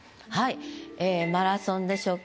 ええマラソンでしょうか？